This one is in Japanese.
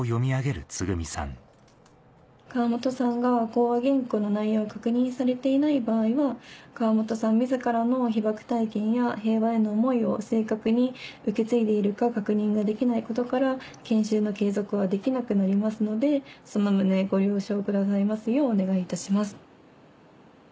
「川本さんが講話原稿の内容を確認されていない場合は川本さん自らの被爆体験や平和への思いを正確に受け継いでいるか確認ができないことから研修の継続はできなくなりますのでその旨ご了承くださいますようお願いいたします」。